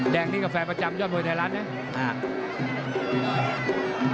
แดงนี้ก็แฟนประจำยอดมวยไทยลัดเนี่ย